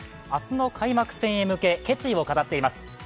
明日の開幕戦へ向け決意を語っています。